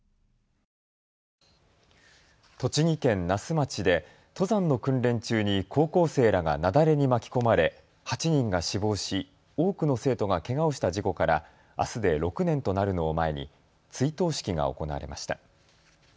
栃木県那須町で登山の訓練中に高校生らが雪崩に巻き込まれ８人が死亡し多くの生徒がけがをした事故からあすで６年となるのを前に追悼式が行われました。